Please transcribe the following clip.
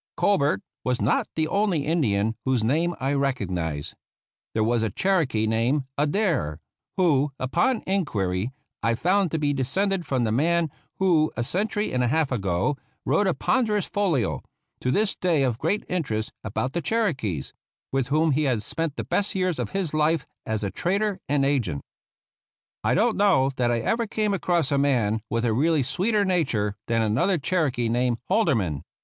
Colbert was not the only Indian whose name I recognized. There was a Cherokee named Adair, who, upon inquiry, I found to be descended from the man who, a century and a half ago, wrote a ponderous folio, to this day of great interest, about the Cherokees, with whom he had spent the best years of his life as a trader and agent. RAISING THE REGIMENT I don't know that I ever came across a man with a really sweeter nature than another Chero kee named Holderman.